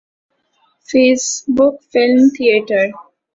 face book film theatre